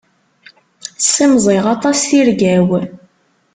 Ssimẓiɣ aṭas tirga-w.